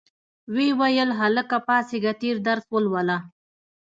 ویې ویل هلکه پاڅیږه تېر درس ولوله.